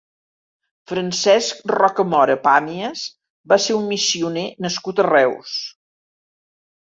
Francesc Rocamora Pàmies va ser un missioner nascut a Reus.